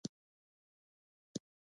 د احمد راتګ مې به مغزو کې ګرځېدل